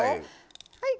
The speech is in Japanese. はい。